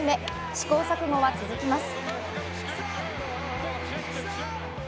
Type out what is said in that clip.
試行錯誤は続きます。